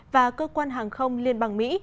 và cơ quan hàng không liên bang mỹ